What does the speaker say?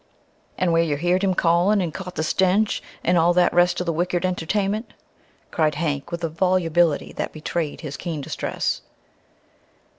"And where you heered him callin' an' caught the stench, an' all the rest of the wicked entertainment," cried Hank, with a volubility that betrayed his keen distress.